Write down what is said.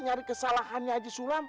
nyari kesalahannya haji sulam